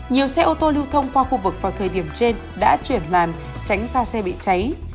nhiều xe ô tô lưu thông qua khu vực vào thời điểm trên đã chuyển làn tránh xa xe bị cháy